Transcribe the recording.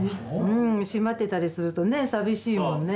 閉まってたりすると寂しいもんね。